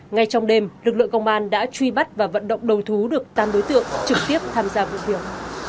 ngay trong đêm lực lượng công an đã truy bắt và vận động đầu thú được tám đối tượng trực tiếp tham gia vụ việc